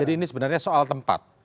jadi ini sebenarnya soal tempat